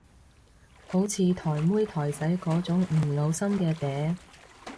好似台妹台仔嗰種唔嘔心嘅嗲